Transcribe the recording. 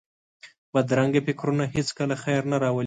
بدرنګه فکرونه هېڅکله خیر نه راولي